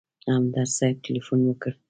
همدرد صاحب تیلفون وکړ.